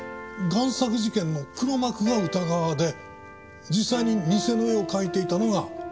贋作事件の黒幕が宇田川で実際に偽の絵を描いていたのが根本一成？